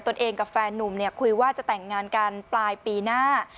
ตัวเองกับแฟนนุ่มคุยว่าจะแต่งงานกันปลายปีหน้า